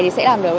thì sẽ làm được